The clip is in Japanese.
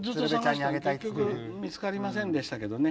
結局見つかりませんでしたけどね。